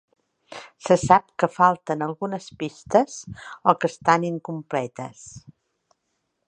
Se sap que falten algunes pistes o que estan incompletes.